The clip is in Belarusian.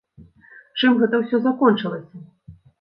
Чым гэта ўсё закончылася?